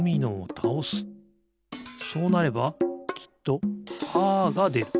そうなればきっとパーがでる。